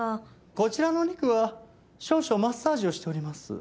こちらのお肉は少々マッサージをしております。